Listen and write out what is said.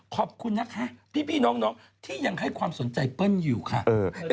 ขอบคุณนะคะพี่น้องที่ยังให้ความสนใจเปิ้ลอยู่ค่ะ